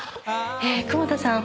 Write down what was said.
久保田さん。